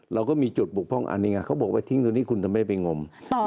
เราก็มีจุดบกพร่องอันนี้ไงเขาบอกว่าทิ้งตรงนี้คุณจะไม่ไปงม